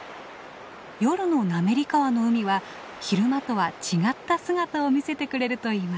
夜の滑川の海は昼間とは違った姿を見せてくれるといいます。